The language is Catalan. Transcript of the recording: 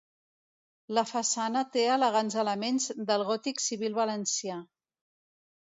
La façana té elegants elements del gòtic civil valencià.